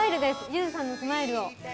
ゆずさんのスマイルを。